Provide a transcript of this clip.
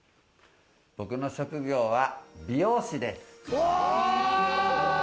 僕の職業は美容師です。